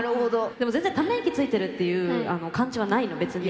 でも全然ため息ついてるっていう感じはないの別に。